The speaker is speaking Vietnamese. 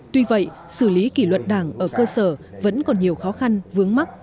tuy vậy xử lý kỷ luật đảng ở cơ sở vẫn còn nhiều khó khăn vướng mắt